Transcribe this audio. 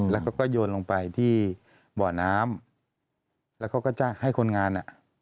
แล้วก็โยนลงไปที่บ่อน้ำแล้วเขาก็จะให้คนงาน